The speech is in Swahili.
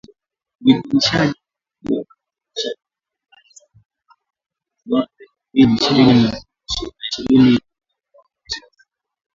Uidhinishaji huo mpya unabatilisha uamuzi wa Rais wa zamani, mwaka elfu mbili na ishirini wa kuwaondoa wanajeshi mia saba